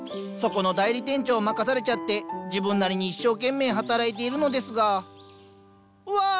そこの代理店長を任されちゃって自分なりに一生懸命働いているのですがうわ